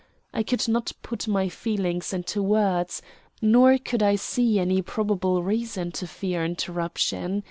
I could not put my fears into words, nor could I see any probable reason to fear interruption.